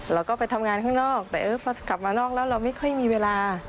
เราก็ไปทำงานข้างนอกแต่เออพอกลับมานอกแล้วเราไม่ค่อยมีเวลา